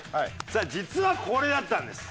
さあ実はこれだったんです。